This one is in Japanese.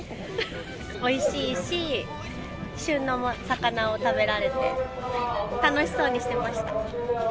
おいしいし、旬の魚を食べられて、楽しそうにしてました。